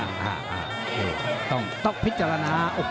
การจัดออกแบบละครับ